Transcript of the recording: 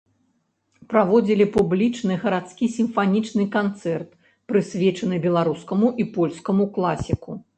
Праводзілі публічны гарадскі сімфанічны канцэрт, прысвечаны беларускаму і польскаму класіку.